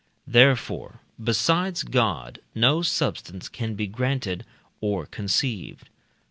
Therefore, besides God no substance can be granted or conceived.